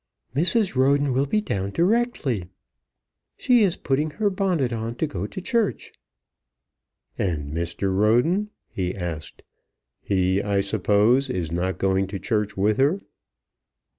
"Mrs. Roden will be down directly. She is putting her bonnet on to go to church." "And Mr. Roden?" he asked. "He I suppose is not going to church with her?"